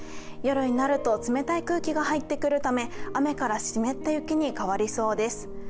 夜になると冷たい空気が入ってくるため雨から湿った雪に変わりそうです。